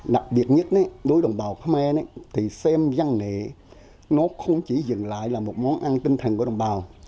đặc biệt nhất đối với đồng bào khmer thì xem văn nghệ nó không chỉ dừng lại là một món ăn tinh thần của đồng bào